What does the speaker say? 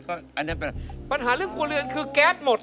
อันนี้ปัญหาเรื่องครัวเรือนคือแก๊สหมด